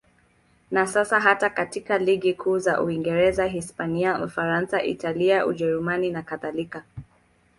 Na sasa hata katika ligi kuu za Uingereza, Hispania, Ufaransa, Italia, Ujerumani nakadhalika.